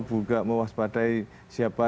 juga mewaspadai siapa